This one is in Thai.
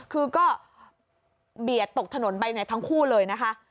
คือก็เบียดตกถนนไปทั้งคู่เลยนะคะ